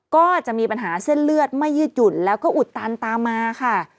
ก็จะมีปัญหาเส้นเลือดไม่ยืดหยุ่นแล้วก็อุดตันตามมาค่ะ